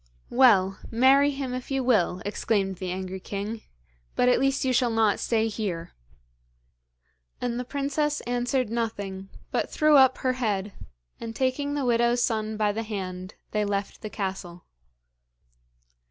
'Well, marry him if you will,' exclaimed the angry king; 'but at least you shall not stay here.' And the princess answered nothing, but threw up her head, and taking the widow's son by the hand, they left the castle.